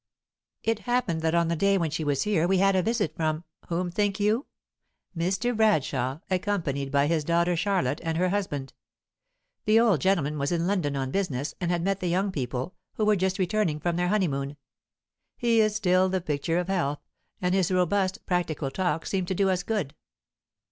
"It happened that on the day when she was here we had a visit from whom think you? Mr. Bradshaw, accompanied by his daughter Charlotte and her husband. The old gentleman was in London on business, and had met the young people, who were just returning from their honeymoon. He is still the picture of health, and his robust, practical talk seemed to do us good.